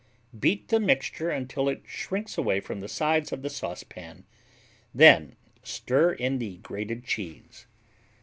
Beat the mixture until it shrinks away from the sides of the saucepan; then stir in the grated cheese.